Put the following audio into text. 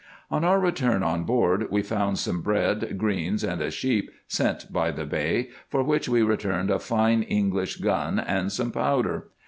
On our return on board we found some bread, greens, and a sheep, sent by the Bey, for which we returned a fine English gun and some powder.